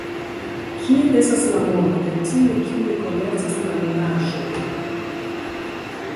Kie estas la mono de tiuj kiuj komercas la minaĵojn?